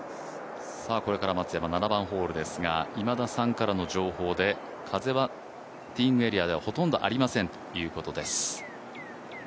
これから松山、７番ホールですが、今田さんからの情報で風はティーイングエリアではほとんどありませんということです。